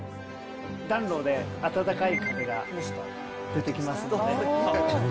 暖炉であたたかい風が出てきますので。